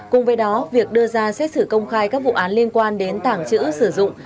cùng với đó việc đưa ra xét xử công khai các vụ án liên quan đến tảng chữ sử dụng